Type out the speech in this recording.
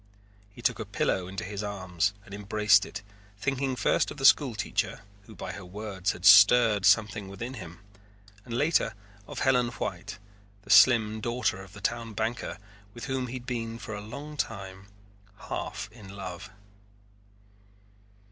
He took a pillow into his arms and embraced it thinking first of the school teacher, who by her words had stirred something within him, and later of Helen White, the slim daughter of the town banker, with whom he had been for a long time half in love.